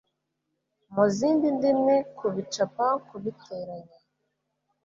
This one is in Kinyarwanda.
mu zindi ndimi kubicapa kubiteranya